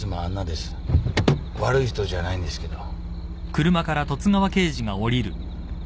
悪い人じゃないんですけど。